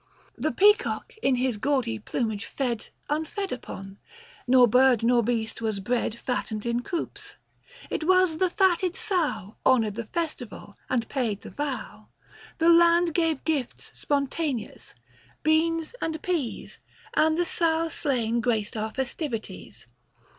The peacock in his gaudy plumage fed Unfed upon ; nor bird nor beast was bred Fattened in coops. It was the fatted sow 210 Honoured the festival and paid the vow. The land gave gifts spontaneous : beans and peas, And the sow slain graced our festivities.